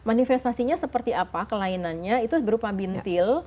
manifestasinya seperti apa kelainannya itu berupa bintil